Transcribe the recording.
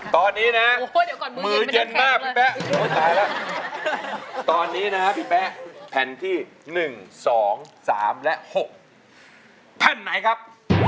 ตอนนี้นะมือเย็นมากพี่แป๊ะตายแล้วตอนนี้นะฮะพี่แป๊ะแผ่นที่๑๒๓และ๖แผ่นไหนครับ